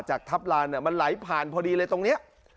จากทัพลานมันไหลผ่านพอดีเลยตรงนี้